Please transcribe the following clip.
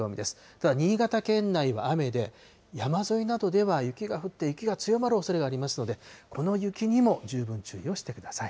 ただ新潟県内は雨で、山沿いなどでは雪が降って、雪が強まるおそれがありますので、この雪にも十分注意をしてください。